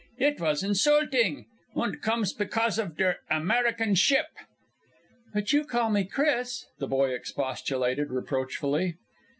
It vas insulting, und comes pecause of der American ship!" "But you call me 'Chris!'" the boy expostulated, reproachfully.